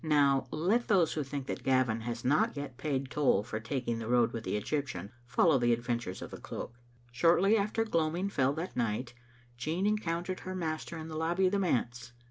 Now let those who think that Gavin has not yet paid toll for taking the road with the Egyptian, follow the adventures of the cloak. Shortly after gloaming fell that night Jean encountered her master in the lobby of the manse.